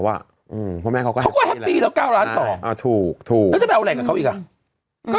เพราะแม่เขาก็แฮปปี้แล้ว๙ล้าน๒ถูกแล้วจะไปเอาอะไรกับเขาอีกอ่ะ